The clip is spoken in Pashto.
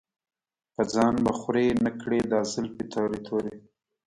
پۀ ځان به خوَرې نۀ کړې دا زلفې تورې تورې